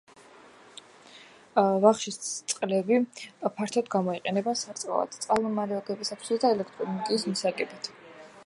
ვახშის წყლები ფართოდ გამოიყენება სარწყავად, წყალმომარაგებისათვის და ელექტროენერგიის მისაღებად.